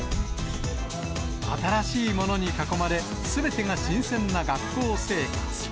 新しいものに囲まれ、すべてが新鮮な学校生活。